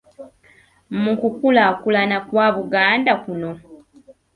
Mu kukulaakulana kwa Buganda kuno.